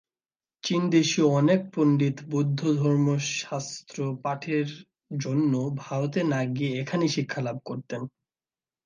চিনদেশীয় অনেক পণ্ডিত বৌদ্ধ ধর্মশাস্ত্র পাঠের জন্য ভারতে না গিয়ে এখানেই শিক্ষা লাভ করতেন।